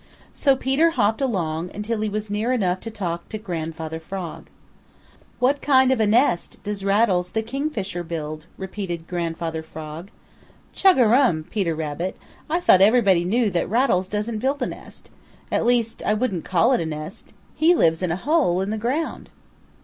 So Peter hopped along until he was near enough to talk to Grandfather Frog. "What kind of a nest does Rattles the Kingfisher build?" repeated Grandfather Frog. "Chug arum, Peter Rabbit! I thought everybody knew that Rattles doesn't build a nest. At least I wouldn't call it a nest. He lives in a hole in the ground."